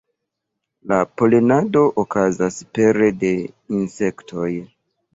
La polenado okazas pere de insektoj.